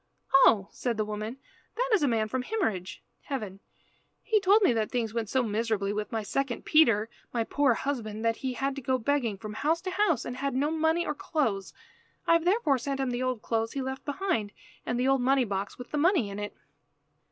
"Oh," said the woman, "that is a man from Himmerige (Heaven). He told me that things went so miserably with my second Peter, my poor husband, that he had to go begging from house to house and had no money or clothes. I have therefore sent him the old clothes he left behind, and the old money box with the money in it."